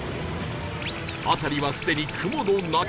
辺りはすでに雲の中